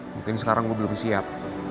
mungkin sekarang gue belum siap